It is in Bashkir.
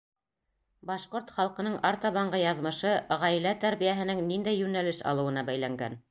Башҡорт халҡының артабанғы яҙмышы ғаилә тәрбиәһенең ниндәй йүнәлеш алыуына бәйләнгән.